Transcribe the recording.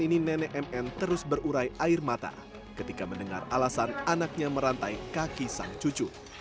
ini nenek mn terus berurai air mata ketika mendengar alasan anaknya merantai kaki sang cucu